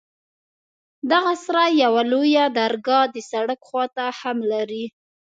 دغه سراى يوه لويه درګاه د سړک خوا ته هم لري.